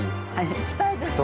行きたいですね。